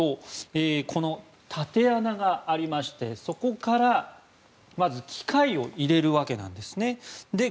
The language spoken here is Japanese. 縦穴がありましてそこからまず機械を入れるわけなんですね。